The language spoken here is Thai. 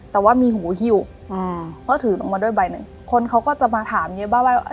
แต่ว่ามีหูหิวอืมเพราะถือลงมาด้วยใบหนึ่งคนเขาก็จะมาถามเยอะมากว่า